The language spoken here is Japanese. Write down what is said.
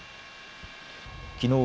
きのう